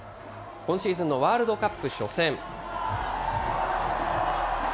今シーズンのワールドカップ初戦。